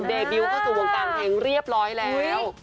บิวเข้าสู่วงการเพลงเรียบร้อยแล้ว